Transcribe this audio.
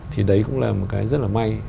thì đấy cũng là một cái rất là may